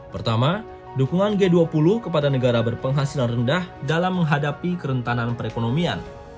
pertama dukungan g dua puluh kepada negara berpenghasilan rendah dalam menghadapi kerentanan perekonomian